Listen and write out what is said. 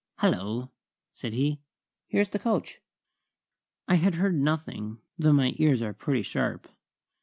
"Hallo!" said he. "Here's the coach!" I had heard nothing, though my ears are pretty sharp.